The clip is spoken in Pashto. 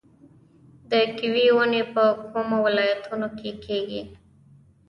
د کیوي ونې په کومو ولایتونو کې کیږي؟